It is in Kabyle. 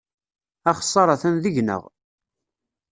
Axeṣṣar atan deg-neɣ.